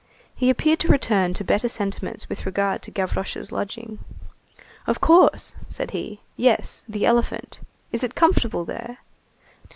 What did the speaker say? He appeared to return to better sentiments with regard to Gavroche's lodging. "Of course," said he, "yes, the elephant. Is it comfortable there?"